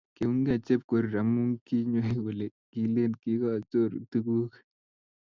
kiunygei chepkorir amu kinywei kole kilen kigachoor tuguk